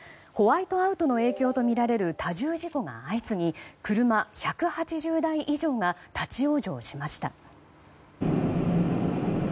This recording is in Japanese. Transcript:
ホワイトアウトの影響とみられる多重事故が相次ぎ車１８０台以上が立ち往生しました。